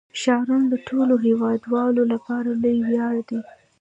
ښارونه د ټولو هیوادوالو لپاره لوی ویاړ دی.